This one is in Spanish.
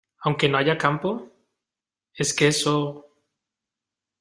aunque no haya campo? es que eso